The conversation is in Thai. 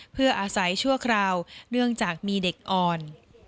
เพื่ออาศัยชั่วคราวเนื่องจากมีเด็กอ่อน